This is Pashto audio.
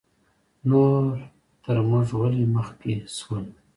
نور تر موږ ولې مخکې شول؟